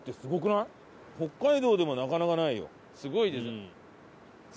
すごいですね。